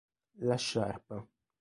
La sciarpa